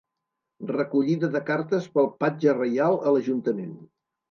Recollida de cartes pel Patge Reial a l'ajuntament.